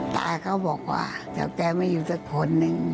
ตาก็บอกว่าถ้าแกไม่อยู่สักคนนึง